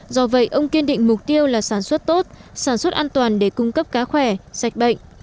do vậy ông kiên định mục tiêu là sản xuất tốt sản xuất an toàn để cung cấp cá khỏe sạch bệnh